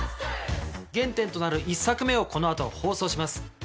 原点となる１作目をこの後放送します。